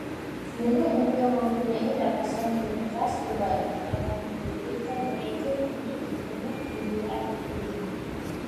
Mulut unta mempunyai lapisan keras tebal, yang membolehkan mereka untuk mengunyah tumbuhan berduri.